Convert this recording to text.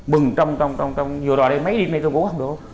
mừng trong trong trong trong nhiều đòi đây mấy đêm nay tôi cũng không được